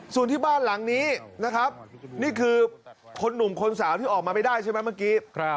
ส่วนที่บ้านหลังนี้นะครับนี่คือคนหนุ่มคนสาวที่ออกมาไม่ได้ใช่ไหมเมื่อกี้